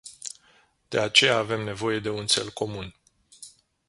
De aceea avem nevoie de un țel comun.